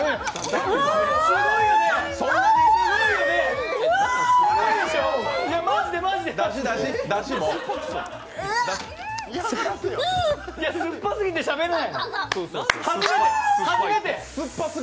いや、酸っぱすぎてしゃべれない。